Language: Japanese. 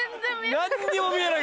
何にも見えない！